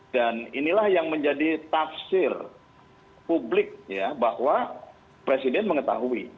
inilah yang menjadi tafsir publik ya bahwa presiden mengetahui